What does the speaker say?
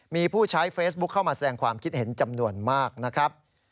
มีผู้ใช้เฟซบุ๊คเข้ามาแสดงความคิดเห็นจำนวนมากนะครับ